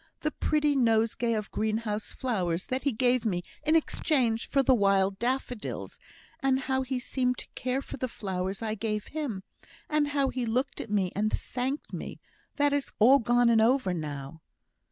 The pretty nosegay of green house flowers that he gave me in exchange for the wild daffodils and how he seemed to care for the flowers I gave him and how he looked at me, and thanked me that is all gone and over now."